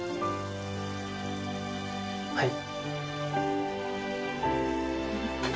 はい。